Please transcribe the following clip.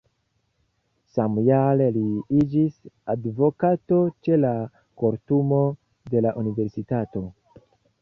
Samjare li iĝis advokato ĉe la kortumo de la universitato.